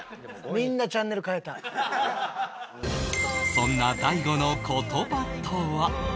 そんな大悟の言葉とは